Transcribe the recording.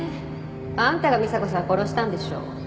あんたが美砂子さん殺したんでしょう？